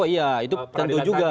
oh iya itu tentu juga